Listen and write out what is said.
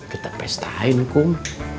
kita pestain kung